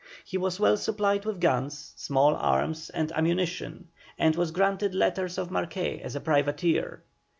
He was well supplied with guns, small arms, and ammunition, and was granted letters of marque as a privateer.